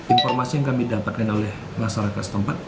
informasi yang kami dapatkan oleh masyarakat setempat